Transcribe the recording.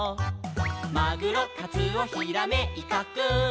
「マグロカツオヒラメイカくん」